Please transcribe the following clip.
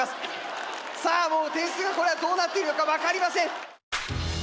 さあもう点数がどうなっているのか分かりません！